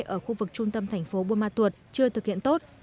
ở khu vực trung tâm thành phố buôn ma tuột chưa thực hiện tốt